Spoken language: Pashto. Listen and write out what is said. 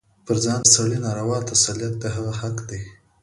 پر ځان د سړي ناروا تسلط د هغه حق ګڼي.